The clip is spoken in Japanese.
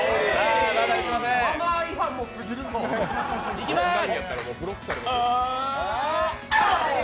いきまーす！